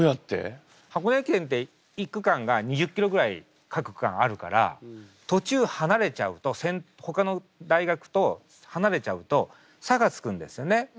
箱根駅伝って１区間が２０キロぐらい各区間あるから途中離れちゃうとほかの大学と離れちゃうと差がつくんですよね。